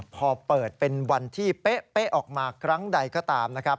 พอเปิดเป็นวันที่เป๊ะออกมาครั้งใดก็ตามนะครับ